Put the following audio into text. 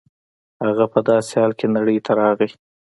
هغه په داسې حال کې نړۍ ته راغی